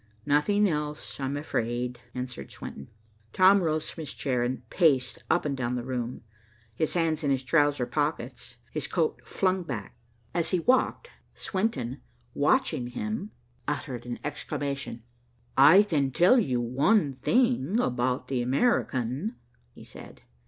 "Nothing else, I'm afraid," answered Swenton. Tom rose from his chair and paced up and down the room, his hands in his trousers pockets, his coat flung back. As he walked, Swenton, watching him, uttered an exclamation. "I can tell you one thing about the American," he said.